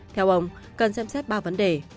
theo ông cần xem xét ba vấn đề